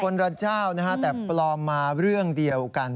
คนละเจ้านะฮะแต่ปลอมมาเรื่องเดียวกัน